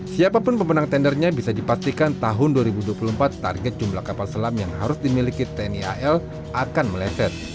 siapapun pemenang tendernya bisa dipastikan tahun dua ribu dua puluh empat target jumlah kapal selam yang harus dimiliki tni al akan meleset